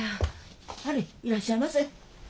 あれいらっしゃいませ。